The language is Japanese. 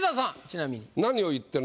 ちなみに。